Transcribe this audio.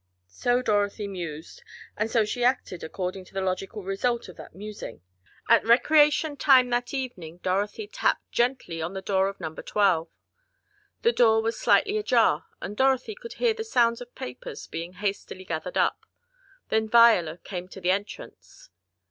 So Dorothy mused, and so she acted according to the logical result of that musing. At recreation time that evening Dorothy tapped gently on the door of Number Twelve. The door was slightly ajar, and Dorothy could hear the sounds of papers being hastily gathered up. Then Viola came to the entrance.